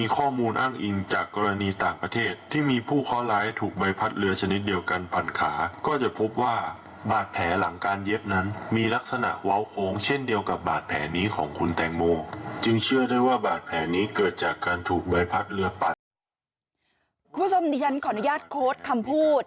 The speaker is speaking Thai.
คุณผู้ชมดิฉันขออนุญาตโค้ดคำพูด